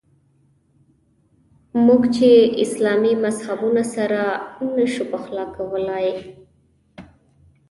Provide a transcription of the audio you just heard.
موږ چې اسلامي مذهبونه سره نه شو پخلا کولای.